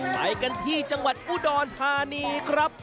ไปกันที่จังหวัดอุดรธานีครับ